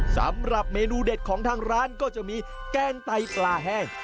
สำหรับเมนูเด็ดของทางร้านก็จะมีแกงไตปลาแห้ง